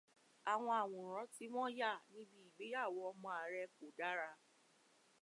Àwọn àwòrán tí wọ́n yà níbi ìgbéyàwó ọmọ ààrẹ kò dára.